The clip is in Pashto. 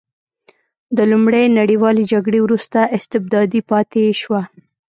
د لومړۍ نړیوالې جګړې وروسته استبدادي پاتې شوه.